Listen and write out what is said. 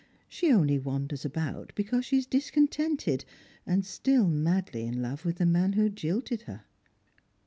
She only wanders about because she is discontented, and still madly in love with the man who jilted her."